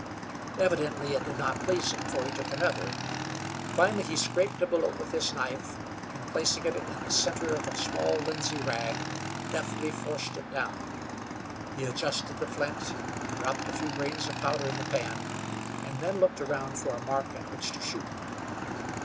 Evidently it did not please him, for he took another. Finally he scraped a bullet with his knife, and placing it in the center of a small linsey rag, deftly forced it down. He adjusted the flint, dropped a few grains of powder in the pan, and then looked around for a mark at which to shoot.